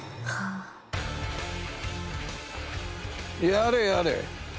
やれやれ。